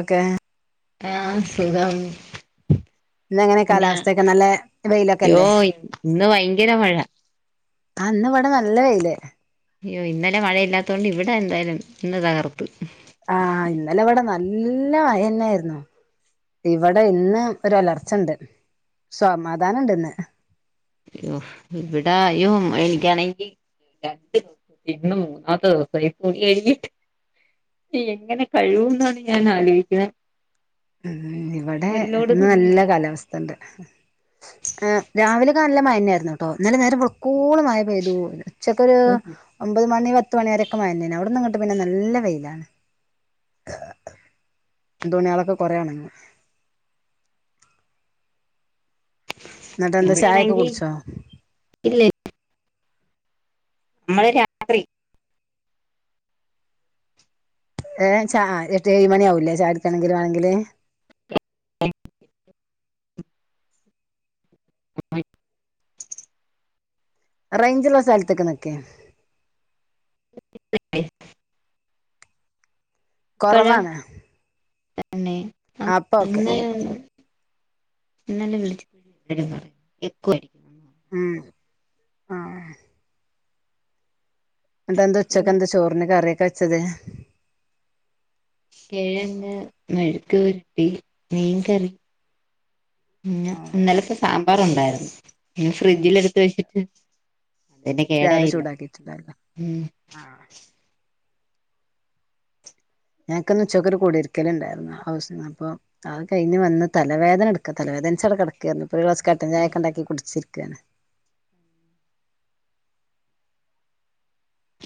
Okay ആഹ് സുഖം ഇന്ന് അങ്ങനെ പിന്നെ കാലാവസ്ഥൊക്കെ നല്ല യ്യോ വെയിലൊക്കെല്ലേ ഇന്ന് ഭയങ്കര മഴ അന്ന് ഇവിടെ നല്ല വെയില് അയ്യോ ഇന്നലെ മഴയില്ലാത്ത കൊണ്ട് ഇവിടെ എന്തായാലും ഇന്ന് തകർത്ത് ആഹ് ഇന്നലെ അവിടെ നല്ല മയ ന്നായിരുന്നു ഇവിടെ ഇന്ന് ഒരു അലർച്ചണ്ട് സമാധാനണ്ട് ഇന്ന് അയ്യോ ഇവിടാ അയ്യോ എനിക്കാണെങ്കി രണ്ട് [unintelligible] എങ്ങനെ കഴിവൂ എന്നാണ് ഞാൻ ആലോചിക്കുന്നത് ഇവിടെ ഒരു ലോഡ് ഇന്ന് നല്ല തുണിയായി കാലാവസ്ഥ ണ്ട് ഏയ് രാവിലെയൊക്കെ നല്ല മഴന്ന ആരുന്നു ട്ടോ നല്ല നേരെ വക്കൂള മഴ പെയ്തു ഉച്ചക്കൊരു ഒമ്പത് മണി പത്ത് മണി വരൊക്കെ മഴന്നെ അവിടന്ന് ഇങ്ങട്ട് പിന്നെ നല്ല വെയിലാണ് തുണിളൊക്കെ കുറേണക്കി എന്നിട്ട് എന്താ ചായൊക്കെ ണങ്കിൽ കുടിച്ചോ ല് നമ്മള് രാത്രി ഏയ് ചാ എട്ട്ഏഴ മണി ആാവൂല്ലേ ചാ എടുക്കണെങ്കിലും ആണെങ്കില് [unintelligible] റേഞ്ചുള്ള സ്ഥലത്തേക്ക് നിക്ക് [unintelligible] ഇപ്പഴാ കൊറവാണ്. തന്നെ അപ്പൊ ഓക്കെ [unintelligible] ഇന്നലെ വിളിച്ചപ്പഴും എല്ലാരും പറയുന്നു എക്കൊ അടിക്കുന്നു. ഉം ആ ന്നട്ടെന്താ പിന്നെ ഉച്ചക്കെന്താ ചോറിന് കറിയൊക്കെ വച്ചത്? കിഴങ്ങ്, മെഴുക്കുപുരട്ടി, മീൻകറി പിന്നെ ആ ഇന്നലത്തെ സാമ്പാറുണ്ടായിരുന്നു. [unintelligible] ഫ്രിഡ്ജിൽ എടുത്ത് വെച്ചിട്ട് അതന്നെ രാവിലെ കേടായില്ല ചൂടാക്കിയിട്ടുണ്ടായിരുന്നു ഉം. ആ ഞങ്ങക്ക്ന്ന് ഉച്ചക്കൊരു കുടിരിക്കലുണ്ടായിരുന്നു ഹൗസ് അപ്പൊ അത് കഴിഞ് വന്ന് തലവേദന ഇട്ക്കാ. തലവേദൻച് അവ്ടെ കടക്കായിരുന്നു. ഇപ്പോ ഒരു ഗ്ലാസ് കട്ടൻ ചായൊക്കെണ്ടാക്കി കുടിച്ചിരിക്കാണ്.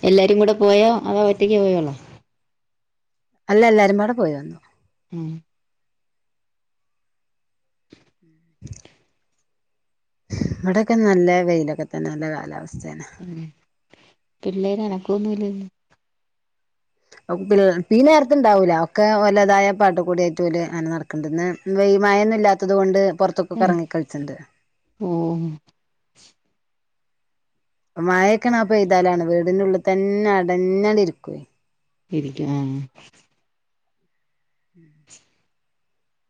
എല്ലാരും കൂടെ പോയോ അതോ ഒറ്റയ്ക്ക് പോയൊള്ളോ? അല്ല. എല്ലാരുംമ്പാടെ പോയി വന്നു. ഉം [unintelligible] ഇവടൊക്കെ നല്ല വെയിലൊക്കെ തന്നെ നല്ല കാലാവസ്ഥേണ്. ഉം പിള്ളേര് അനക്കൊന്നും ഇല്ലല്ലോ. ഔ [unintelligible] ഇപ്പീ നേരത്ത് ണ്ടാവൂല. ഒക്കെ ഓലതായ പാട്ട് കൂടിയായ്റ്റോല് അങ്നെ നടക്ക്ണ്ട് ന്ന്. വെയ് മയൊന്നും ഇല്ലാത്തത് കൊണ്ട് പൊർത്ത്ക്കൊക്കെ എറങ്ങി കള്ച്ച്ണ്ട്. ഓം മഴക്കാണാ പെയ്താലാണ് വീടിനുള്ള് തന്നെ അടഞ്ഞാണ്ട് ഇരിക്ക്വേ. ഇരിക്കും ആഹ്.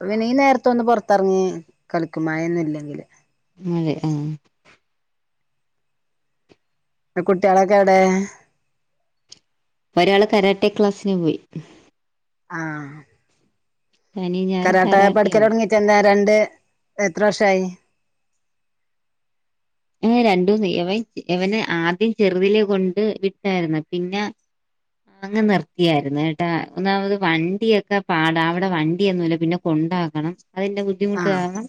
അപ്പപിന്നീ നേരത്തൊന്ന് പൊറത്തെറങ്ങി കളിക്കും മഴയൊന്നും ഇല്ലെങ്കില്. [unintelligible] ആഹ്. ങ്ളെ കുട്ട്യേളൊക്കെവിടെ? ഒരാള് കരാട്ടെ ക്ലാസ്സിന് പോയി. ആഹ് ശനിയും ഞായറും കരാട്ട പഠിക്കൽ കരാട്ടെയുണ്ട് തൊടങ്ങിട്ട് എന്താ രണ്ട് എത്ര വർഷായി ഏഹ് രണ്ട് മൂന്ന് എവൻ എവനെ ആദ്യം ചെറുതിലെ കൊണ്ട് വിട്ടായിരുന്നു. പിന്നെ, അങ്ങ് നിർത്തിയായിരുന്നു കേട്ടാ. ഒന്നാമത് വണ്ടിയൊക്കെ പാടാ. അവിടെ വണ്ടിയൊന്നുല്ല. പിന്നെ കൊണ്ടാക്കണം അതിൻ്റെ ബു ദ്ധിമുട്ട് ആഹ് കാരണം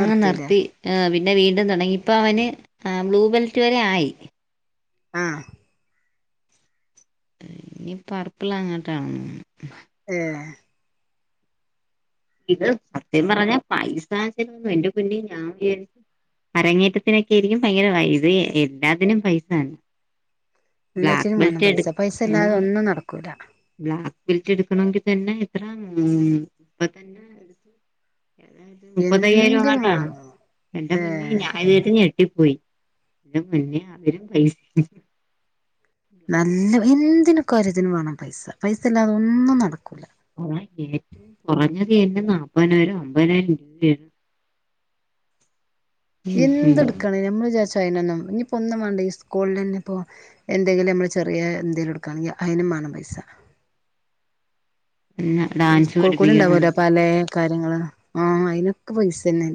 അങ്ങ് നിർത്തി. പിന്നെ വീണ്ടും തൊടങ്ങി പ്പ അവന് ബ്ലൂ ബെൽറ്റ് വരെ ആയി. ആഹ്. ഇനി പർപ്പിൾ അങ്ങെട്ടാണ് തോന്ന്ണു. ഏഹ്. ഇത് സത്യം പറഞ്ഞാ പൈസ ചെലവെന്ന് എന്റെ പൊന്നേ ഞാൻ വിചാരിച്ചു. അരങ്ങേറ്റത്തിനൊക്കെ ആയിരിക്കും ഭയങ്കര ഇത് എല്ലാത്തിനും പൈസാണ്. എല്ലത്തിനും മാണം പൈസ ഉം പൈസല്ലാതെ ഒന്നും നടക്കൂല. ബ്ലാക്ക് ബെൽറ്റ് എടുക്കണൊങ്കി തന്നെ എത്ര ഉംഹ് മുപ്പത്തഞ്ചോ. ഏതായാലും മുപ്പത്തയ്യായിരം എന്തിനും അങ്ങോട്ടാണ്. വേണം എന്റെ പൊന്നേ ഏഹ് ഞാൻ ന്ന്ട്ട് ഞെട്ടിപ്പോയി എന്റെ പൊന്നേ അവരും പൈസ നല്ല എന്തിനൊ കാര്യത്തിന് വേണം പൈസ. പൈസല്ലാതെ ഒന്നും നടക്കൂല. മോളെ ഏറ്റവും കുറഞ്ഞത് തന്നെ നാപതിനായിരം അമ്പതിനായിരം രൂപയാണ്. ഉം ഉം എന്ത്ട്ക്കാണേലും നമ്മള് വിചാര്ച്ചും അതിനൊന്നും ഇഞ്ഞിപ്പോ ഒന്നും വാണ്ട ഈ സ്കൂൾലെന്നെ പ്പോ. എന്തെങ്കിലും നമ്മള് ചെറിയെന്തെങ്കിലും ഇടുക്കാണെങ്കി അയിനും മാണം പൈസ. പിന്നെ നമ്മള് ഈ ഡാൻസ് സ്കൂൾ കൂടെയിണ്ടാവൊലോ പഠിപ്പിക്കണുണ്ട് പലേ കാര്യങ്ങൾ ആഹ് അയിനൊക്കെ പൈസന്നെ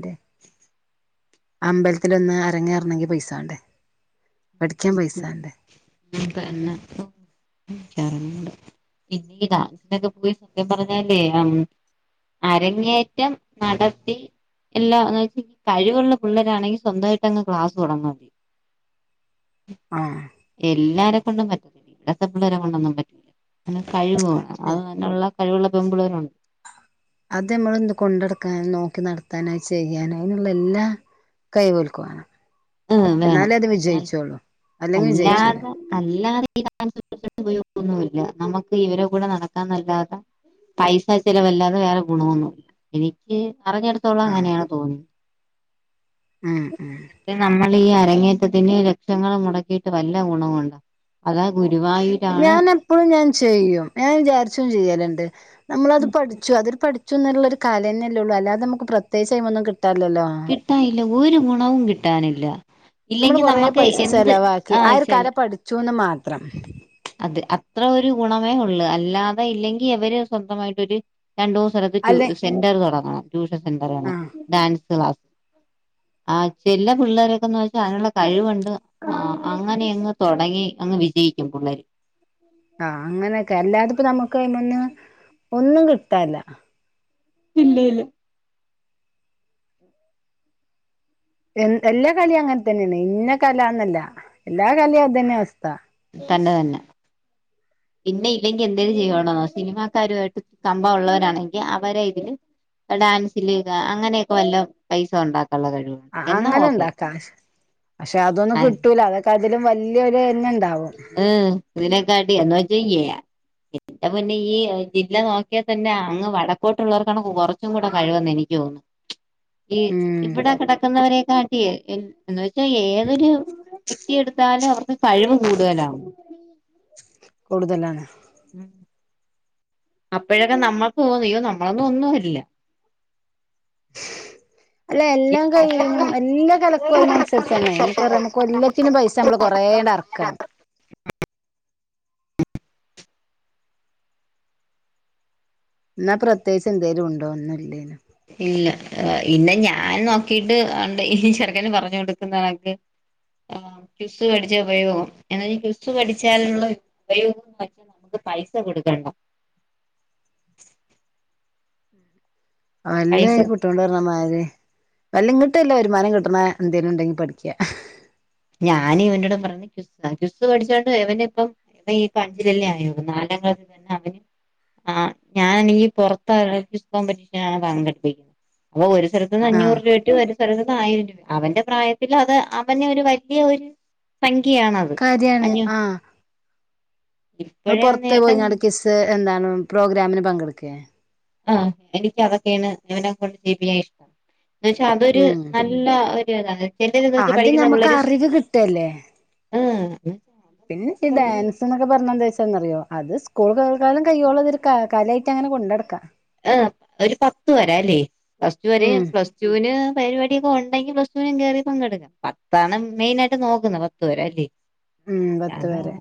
അമ്പലത്തിലൊന്ന് അരങ്ങേറണെങ്കി പൈസാണ്ടേ? പഠിക്കാൻ പൈസാണ്ടേ? അതന്നെ ഇപ്പൊ ഇക്കറിഞ്ഞൂട പിന്ന ഈ ഡാൻസിനൊക്കെ പോയി സത്യം പറഞ്ഞാലേ അരങ്ങേറ്റം നടത്തി എല്ലാ എന്ന് വെച്ച് കഴിവുള്ള പിള്ളരാണെങ്കി സ്വന്തായിട്ടങ്ങ് ക്ലാസ് തൊടങ്ങും. ആഹ്. എല്ലാരെ കൊണ്ടും പറ്റത്തില്ല. ഇവിടത്തെ പിള്ളേരെ കൊണ്ടൊന്നും പറ്റില്ല. നല്ല കഴിവ് വേണം അത് നല്ലോള്ളെ കഴിവുള്ള പെമ്പിള്ളേരുണ്ട്. അത് നമ്മള് ഒന്ന് കൊണ്ടടക്കാനും, നോക്കി നടത്താനോ, അത് ചെയ്യാനും, അതിനുള്ളയെല്ലാ. കഴിവോൽക്കുവാണം വേണം ഇന്നാലെ അത് എന്നാൽ വിജയിച്ചൊള്ളു അല്ലാതെ. അല്ലാതെ ഈ പറയുന്ന പോലെ ഉപയോഗൊന്നുല്ല നമുക്കിവരെ കൂടെ നടക്കാന്നല്ലാതെ. പൈസ ചെലവല്ലാതെ വേറെ ഗുണമൊന്നുമില്ല എനിക്ക് അറിഞ്ഞട്ത്തോളാം ആഹ് അങ്ങനെയാണ് തോന്ന്ണ്. ഉം ഉം പിന്നെ നമ്മള് ഈ അരങ്ങേറ്റത്തിന് ലക്ഷങ്ങൾ മൊടക്കിയിട്ട് വല്ല ഗുണവുണ്ടോ? അതാ ഗുരുവായൂരാണ് ഇപ്പളും ഞാൻ ചെയ്യും ഞാൻ വിചാരിച്ചും ചെയ്യല്ണ്ട് നമ്മളത് പഠിച്ചു അതൊരു പഠി. ച്ചൂന്നുള്ളൊരു കലന്നെല്ലെയൊള്ളൂ അല്ലാതമ്മക്ക് പ്രത്യേകിച്ച് അയ്മൊന്നും കിട്ടാല്ലല്ലോ? ഏയ് ഇല്ല ഒരു ഗുണവും കിട്ടാനില്ല. നമ്മള് ഇല്ലെങ്കിൽ കൊറേ നമുക്ക് പൈസ എന്ത് ചെലവാക്കി ആ ഒരു ചില കല പഠിച്ചൂന്ന് മാത്രം. അത് അത്ര ഒരു ഗുണമേയൊള്ളൂ. അല്ലാതെ ഇല്ലെങ്കിയിവര് സ്വന്തമായിട്ടൊരു രണ്ടു മൂ സ്ഥലത്ത് ഒര് അല്ലെ ടൂഷൻ സെന്റർ തൊടങ്ങണം ടൂഷൻ സെന്റർ കണക്ക് ആഹ് ഡാൻസ് ക്ലാസ് ആഹ് ചെല പിള്ളേരൊക്കെന്ന് വെച്ചാ അയിനുള്ള കഴിവുണ്ട്. ആഹ് അങ്ങനെയങ്ങ് തൊടങ്ങി അങ്ങ് വിജയിക്കും പുള്ളേര്. ആഹ് അങ്ങനെയൊക്കെ അല്ലാതെപ്പം നമുക്ക് അയ്മന്ന് ഒന്നും കിട്ടാല്ല. ഇല്ലയില്ല. എ എല്ലാ കലിം അങ്ങൻത്തന്നെയാണ് ഇന്ന കലാന്നല്ല എല്ലാ കലിം അതന്നെയവസ്ഥ. തന്നെ തന്നെ പിന്നെയില്ലെങ്കി എന്തെര് ചെയ്യണോന്നോ സിനിമാക്കാരുവായിട്ട് കമ്പം ഉള്ളവരാണെങ്കി അവരെയിതില് ഡാൻസില്ക്കെ അങ്ങനെയൊക്കെ വല്ലോം പൈസയുണ്ടാക്കാള്ള കഴിവ് ആഹ് അങ്ങനെണ്ടാക്കാ കാശ് പക്ഷെ അതൊന്നും കിട്ടൂല. അതൊക്കെ അതിലും വല്യോരെന്നെണ്ടാവും അപ്പം ഉംഹ് ഇതിനെക്കാട്ടി എന്ന് വെച്ചാ എ ന്റെ പൊന്നേ ജില്ല നോക്കിയാ തന്നെ അങ്ങ് വടക്കോട്ടുള്ളവർക്കാണ് കൊറച്ചും കൂടെ കഴിവെന്നെനിക്ക് തോന്ന്ണ് ഈ ഉം ഇവടെ കെടക്കുന്നവരെ കാട്ടിയേ എന്ന് വെച്ചാ ഏതൊരു വ്യക്തിയെടുത്താലും അവർക്ക് കഴിവ് കൂടുതലാവും കൂടുതലാണ് ഉം അപ്പോഴൊക്കെ നമ്മക്ക് തോന്നും യ്യോ നമ്മളൊന്നും ഒന്നുവല്ല അല്ല ഈ എല്ലാം കഴിവിനും എല്ലാ കലക്കും അയിനനുസരിച്ചാണ് നമുക്കറിയാം നമുക്ക് കൊല്ല ത്തിന് പൈസമ്മള് കൊറേണ്ടെറക്കണം ഇന്നാ പ്രത്യേകിച്ചെന്തേലുണ്ടോ? ഒന്നുല്ലേനും ഇല്ല പിന്നെ ഞാൻ നോക്കിയിട്ട് ഉണ്ട് ഈ ചെറുക്കന് പറഞ്ഞു കൊടുക്കുന്നണക്ക് ആ ക്സ്സ് പഠിച്ച ഉപയോഗം എന്നാ ക്വിസ് പഠിച്ചാലുള്ള [unintelligible] [unintelligible] പൈസ കൊടുക്കണ്ട. അല്ല പൈസ അയി കു [unintelligible] മാരി വല്ലം ഇങ്ങട്ടല്ല വരുമാനം കിട്ട്ണ എന്തേലും ഇണ്ടെങ്കി പഠിക്ക. ഞാന് ഇവനോട് പറഞ്ഞ് ക്വിസ് ക്വിസ് പഠിച്ചോണ്ട് ഇവന് ഇപ്പം [unintelligible] നാലാം ക്ലാസ്സിൽ തന്നെ അവന് ആ ഞാൻ ഈ പൊറത്തായ ഇഷ്ടം [unintelligible] ഇന്ന് ആഹ് അഞ്ഞൂറ് രൂപട്ട് ഒരു [unintelligible] ആയിരം രൂപ അവന്റെ പ്രായത്തിൽ അത് അവനെ ഒരു വരു വല്യ ഒരു സംഖ്യയാണത്. കാര്യാണ് അഞ്ഞൂ ആ ഇങ്ങൾ ഇപ്പഴേ ആ പൊറത്ത് നേട്ടം പോയിങ്ങാണ്ട് ക്വിസ് ഹ് എന്താണ് പ്രോഗ്രാമിന് പങ്കെടുക്കേ? ആ എനിക്ക് അതൊക്കെയാണ് ഇവനെ കൊണ്ട് ചെയ്യിപ്പിക്കാൻ ഇഷ്ടം എന്ന് വെച്ചാ അതൊരു ഉം ന ല്ലാ ഒരു ഇതാണ് [unintelligible] അത് പഠിക്കുന്ന ഞമ്മക്ക് പിള്ളേര് അറിവ് കിട്ടല്ലേ ആ ഉം പിന്നെ [unintelligible] ഡാൻസ് എന്നൊക്കെ പർഞ്ഞ എന്താ വെച്ചാന്നറിയോ അത് സ്കൂൾ കാലം കയ്യോളം ഒരു കലായ്ട്ട് അങ്ങനെ കൊണ്ടടക്കാ. ആ ഒരു പത്ത് വരെ അല്ലേ പ്ലസ് ടു വരെ ഉം പ്ലസ് ടൂന് പരിപാടിയൊക്കെ ഉണ്ടെങ്കിൽ പ്ലസ് ടുവിനും കേറി പങ്കെടുക്കാം. പത്താണ് മെയിൻ ആയിട്ട് നോക്കുന്നത് പത്ത് വരേ അല്ലേ? ഉം പത്ത് അല്ലാതെ വരേ.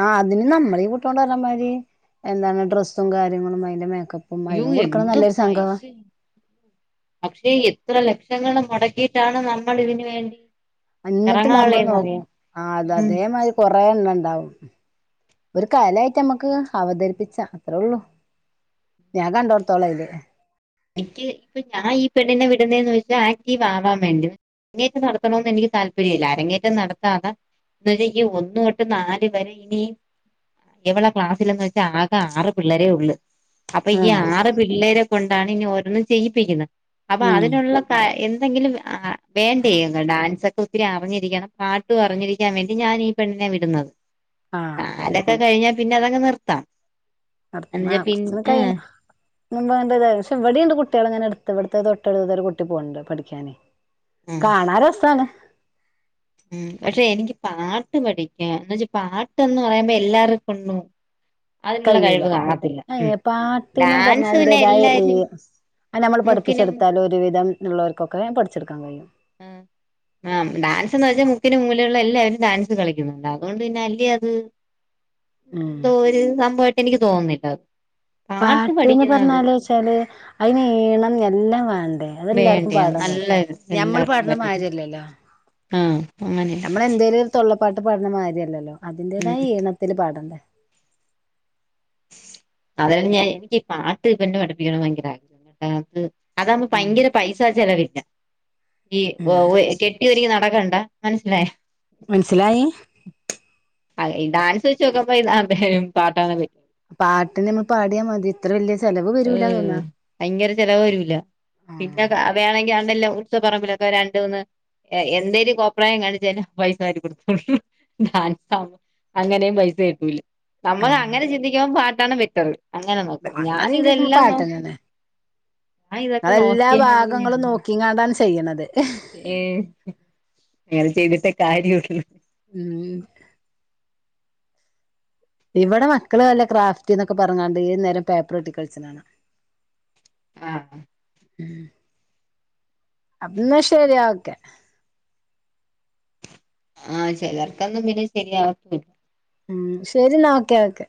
ആ അതിന് നമ്മളെ [unintelligible] എന്താണ് ഡ്രസ്സും കാര്യങ്ങളും അതിന്റെ മേക്ക ഉം അയ്യോ അയിനും കൊടുക്കണം എന്ത് നല്ലരു സംഘം. പൈസ പക്ഷേ എത്ര ലക്ഷങ്ങൾ മുടക്കിയിട്ടാണ് നമ്മൾ ഇതിന് വേണ്ടി എന്നിട്ട് നമ്മൾ ഇറങ്ങാനുള്ളേന്നറിയോ നോക്കും ആ അത ഉം അതേ മാ കൊറെ എണ്ണം ഇണ്ടാവും ഒരു കലായിട്ട് നമ്മുക്ക് അവതരിപ്പിച്ച അത്രേ ഉള്ളൂ. ഞാൻ കണ്ടടുത്തോള അയില് എനിക്ക് ഇപ്പൊ ഞാൻ ഈ പെണ്ണിനെ വിടുന്നേന്ന് വെച്ചാൽ ആക്ടീവ് ആവാൻ വേണ്ടി അരങ്ങേറ്റം നടത്തണോന്ന് എനിക്ക് താല്പര്യം ഇല്ല അരങ്ങേറ്റം നടത്താത എന്നച്ചാ ഈ ഒന്ന് തൊട്ട് നാല് വരെ ഇനി ഇവളെ ക്ലാസ്സിലന്ന് വെച്ചാ ആകെ ആറ് പിള്ളേരേ ഉള്ള്. അപ്പ ഈ ഉം ആറ് പിള്ളേരെ കൊണ്ടാണ് ഇനി ഓരോന്നും ചെയ്യിപ്പിക്കുന്നത് അപ്പ ഉം അതിനുള്ള എന്തെങ്കിലും ആ വേണ്ടേ ഇങ്ങട്ട് ഡാൻസ ഒത്തിരി അറിഞ്ഞിരിക്കണം പാട്ടു അറിഞ്ഞിരിക്കാൻ വേണ്ടി ഞാന് ഈ പെണ്ണിനെ വിടുന്നത് ആഹ് [unintelligible] [unintelligible] കഴിഞ്ഞാ പിന്നെ അതങ്ങ് നിർത്താം. അട് ന്ന എന്നുവെച്ചാ പിൻ കൊർച്ചന്ന് ആ കഴിയുമ്പം [unintelligible] പക്ഷേ ഇവിടിംണ്ട് കുട്ട്യള് ഇങ്ങനെ ഇട്ത്ത് ഇവട്ത്തേ തൊട്ടടുത്തരു കുട്ടി പോക്ണ്ട് പഠിക്കാന്. ആ കാണാ രസാണ് ഉം പക്ഷെ എനിക്ക് പാട്ട് പഠിക്കാ എന്ന് വെച്ചാ പാട്ട്ന്ന് പറയുമ്പോ എല്ലാവർക്കുംണ്ടു അതിനുള്ള കഴിയൂല കഴിവ് കാണത്തില്ല ഉം അയ്ന് പാട്ടിന് ഡാൻസ് പിന്നെ എല്ലാരും അല്ല നമ്മൾ മുക്കിനും പഠിപ്പിച്ചെടുത്താലും ഒരു വിധം ഉള്ളവർക്കൊക്കെ പഠിച്ചെടുക്കാൻ കഴിയും. ആഹ് ആ ഡാൻസ്ന്ന് വെച്ചാ മുക്കിന് മൂലേള്ള എല്ലാവരും ഡാൻസ് കളിക്കുന്നുണ്ട് അതുകൊണ്ട് പിന്നെ അല്ലേ അത് ഉം എന്തോര് സംഭവായിട്ട് എനിക്ക് തോന്ന്നില്ലത്. പാട്ട്ന്ന് പർഞ്ഞാല് വെച്ചാല് അയിനീണം എല്ലാം വാണ്ടേ? അതെല്ലാർക്കും വേണ്ടേ ബാധകാ നല്ല ഞമ്മള് എല്ലാവർക്കും പറ്റത്തില്ല പാട്ണമാര്യല്ലല്ലോ. ആ അങ്ങനെ തൊള്ളപ്പാട്ട് പാടണമാര്യല്ലല്ലോ അതിന്റേതായ ഉം ഈണത്തില് പാടണ്ടേ അതായത് ഞാ എനിക്ക് പാട്ട് ഇവനെ പഠിപ്പിക്കണം ഭയങ്കര [unintelligible] അതാവുമ്പോ ഉം പയങ്കര പൈസാ ചെലവില്ല. ഈ ഉം കെട്ടിയോരുങ്ങി നടക്കണ്ട മനസ്സിലായ. മനസ്സിലായി. ആയ് ഈ ഡാൻസ് വെച്ച് നോക്കുമ്പോ ഈ പാട്ടാണ് [unintelligible] പാട്ടിന് നമ്മ പാട്യ മതി ഇത്ര വല്ല്യ ചെലവ് വരൂല തോന്നാ. പയങ്കര ചെലവ് വരൂല്ല പിന്ന വേണങ്കി അതല്ല ഉത്സവപറമ്പിലക്ക രണ്ടൂന്ന് എന്തേലും കോപ്പ്രായം കാണിച്ചാലും പൈസ [unintelligible] അങ്ങനേംപൈസ കിട്ടൂല്ല ആഹ് നമ്മക്കങ്ങനെ ചിന്തിക്കുമ്പോ പാട്ടാണ് ബെറ്റർ അങ്ങനെ നോക്കുമ്പോ ഞാ [unintelligible] ഞാൻ ഇതൊക്കെ നോക്കിയാണ് അതെല്ലാഭാഗങ്ങളും നോക്കിങ്ങാണ്ടാണ് ചെയ്യ്ന്നത്. ഏഹ് അങ്ങനെ ചെയ്തിട്ടേ കാര്യൊള്ള്. ഉം. ഇവടെ മക്കള്ല്ല ക്രാഫ്റ്റ്ന്നൊക്കെ പറഞ്ഞ്ങ്ങാണ്ട് ഏത് നേരം പേപ്പറെട്ടി [unintelligible] ആഹ്. അന്ന ശരിയോക്കെ ആഹ് ചെലർക്കൊന്നും പിന്നെ ശെരിയാവത്തില്ല. ഉം ശെരിന്നാ ഓക്കെ ഓക്കെ.